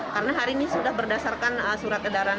karena hari ini sudah berdasarkan surat edaran